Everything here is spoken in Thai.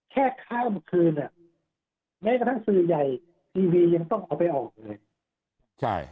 ข้ามคืนอ่ะแม้กระทั่งสื่อใหญ่ทีวียังต้องเอาไปออกเลย